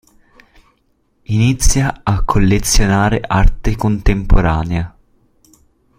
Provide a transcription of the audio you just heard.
Inizia a collezionare arte contemporanea.